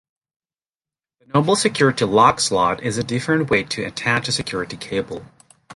The Noble security lock slot is a different way to attach a security cable.